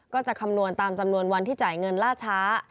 จะคำนวณตามจำนวนวันที่จ่ายเงินล่าช้า